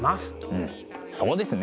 うんそうですね！